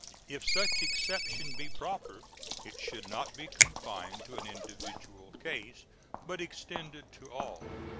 If such exception be proper, it should not be confined to an individual case, but extended to all.